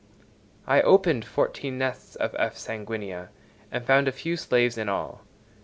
I opened fourteen nests of F. sanguinea, and found a few slaves in all.